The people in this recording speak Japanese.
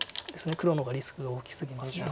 黒の方がリスクが大きすぎますので。